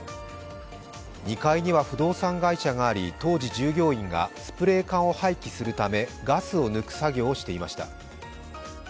２階には不動産会社があり、当時従業員がスプレー缶を廃棄するためガスを抜く作業をしていました。